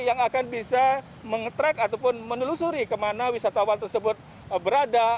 yang akan bisa menge track ataupun menelusuri kemana wisatawan tersebut berada